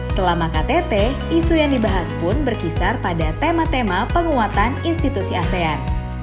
selama ktt isu yang dibahas pun berkisar pada tema tema penguatan institusi asean